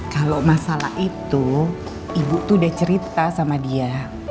kalau masalah itu ibu tuh udah cerita sama dia